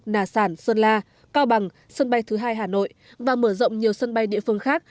nà sản sơn la cao bằng sân bay thứ hai hà nội và mở rộng nhiều sân bay địa phương khác